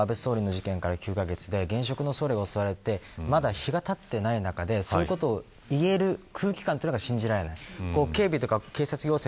一方で、安倍総理の事件から９カ月で現職の総理が襲われてまだ日がたっていない中でそういうことを言える空気感というのが信じられない。